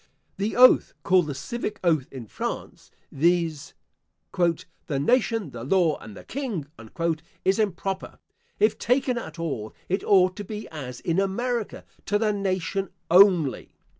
The oath, called the civic oath, in France, viz., "the nation, the law, and the king," is improper. If taken at all, it ought to be as in America, to the nation only.